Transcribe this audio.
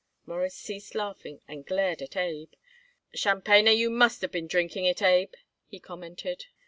Morris ceased laughing and glared at Abe. "Tchampanyer you must have been drinking it, Abe," he commented.